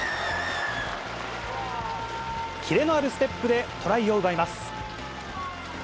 キレのあるステップでトライを奪います。